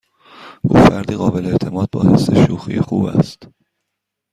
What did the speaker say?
او فردی قابل اعتماد با حس شوخی خوب است.